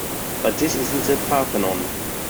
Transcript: But this isn't the Parthenon.